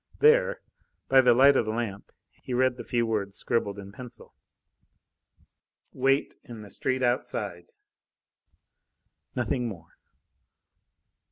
There, by the light of the lamp, he read the few words scribbled in pencil: "Wait in the street outside." Nothing more.